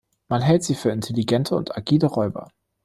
Man hält sie für intelligente und agile Räuber.